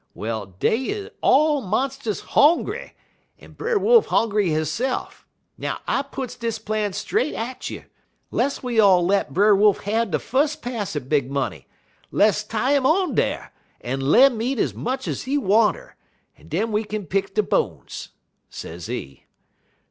Well, dey er all monst'us hongry, en Brer Wolf hongry hisse'f. Now I puts dis plan straight at you: less we all let Brer Wolf have de fus' pass at Big Money; less tie 'im on dar, en le'm eat much ez he wanter, en den we kin pick de bones,' sezee.